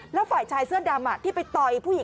แล้วฝ่ายชายเสื้อดำที่ไปต่อยผู้หญิง